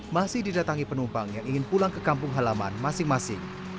masih didatangi penumpang yang ingin pulang ke kampung halaman masing masing